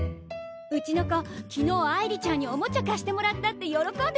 うちの子昨日愛梨ちゃんにオモチャ貸してもらったって喜んでました。